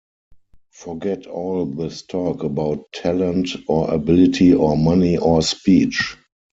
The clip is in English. Forget all this talk about talent or ability or money or speech.